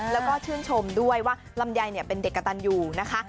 แล้วก็ชื่นชมด้วยว่าลำไยเป็นเด็กกระตันอยู่นะคะ